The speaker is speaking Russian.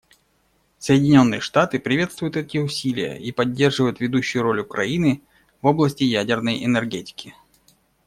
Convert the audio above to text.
Соединенные Штаты приветствуют эти усилия и поддерживают ведущую роль Украины в области ядерной энергетики.